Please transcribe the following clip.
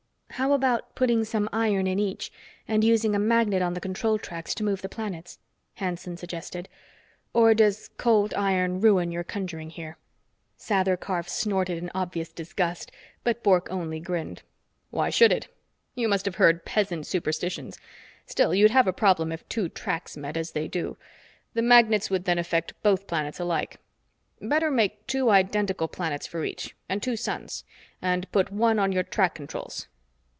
"How about putting some iron in each and using a magnet on the control tracks to move the planets?" Hanson suggested. "Or does cold iron ruin your conjuring here?" Sather Karf snorted in obvious disgust, but Bork only grinned. "Why should it? You must have heard peasant superstitions. Still, you'd have a problem if two tracks met, as they do. The magnets would then affect both planets alike. Better make two identical planets for each and two suns and put one on your track controls.